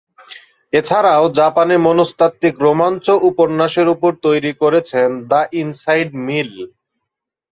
এছাড়াও জাপানে মনস্তাত্ত্বিক রোমাঞ্চ উপন্যাসের উপর তৈরি করেছেন "দি ইনসাইড মিল"।